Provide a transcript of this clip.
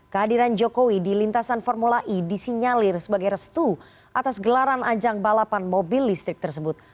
kehadiran jokowi di lintasan formula e disinyalir sebagai restu atas gelaran ajang balapan mobil listrik tersebut